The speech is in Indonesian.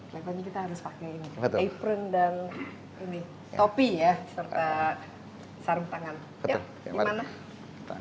lebih banyak kita harus pakai apron dan topi ya serta sarung tangan